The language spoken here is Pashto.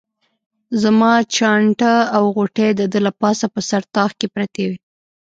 زما چانټه او غوټې د ده له پاسه په سر طاق کې پرتې وې.